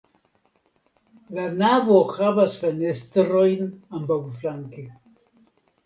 La navo havas fenestrojn ambaŭflanke.